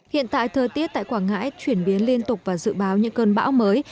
hiện tại thời tiết tại quảng ngãi chuyển biến liên tục và dự báo những cơn bão mới